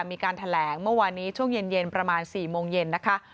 มีการแถลงเมื่อวานนี้ช่วงเย็นประมาณ๔โมงเย็นนะคะ